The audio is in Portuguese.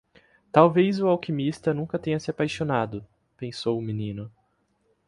Talvez o alquimista nunca tenha se apaixonado, pensou o menino.